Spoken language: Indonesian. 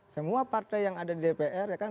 semua partai yang ada di dpr ya kan